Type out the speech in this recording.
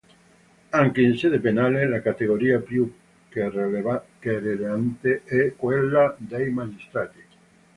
Anche in sede penale, la categoria più querelante è quella dei magistrati.